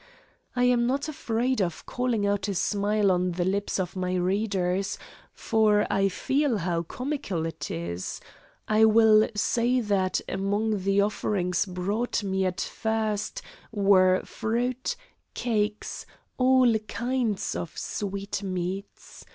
I am not afraid of calling out a smile on the lips of my readers, for I feel how comical it is I will say that among the offerings brought me at first were fruit, cakes, all kinds of sweet meats.